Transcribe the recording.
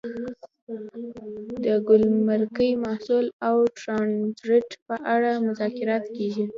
د ګمرکي محصول او ټرانزیټ په اړه مذاکرات کیږي